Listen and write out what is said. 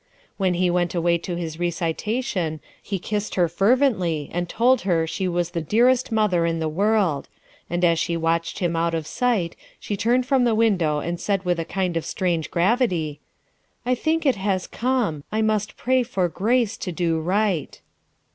When he went away to his recitation he kissed her fervently and told her she was the dearest mother in the world ; and as she watched Mm out of sight, she turned from the window and said with a kind of strange gravity: — "I think it has corae: I must pray for grace to do right."